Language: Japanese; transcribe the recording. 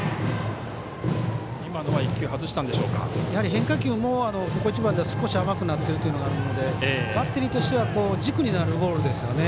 変化球もここ一番で少し甘くなってるというのがあるのでバッテリーとしては軸になるボールですよね。